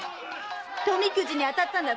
富くじに当たったんだって？